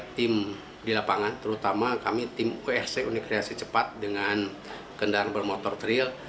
tim di lapangan terutama kami tim usc unik kreasi cepat dengan kendaraan bermotor tril